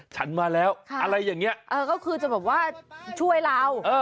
ฉันมาแล้วอะไรอย่างเงี้เออก็คือจะแบบว่าช่วยเรา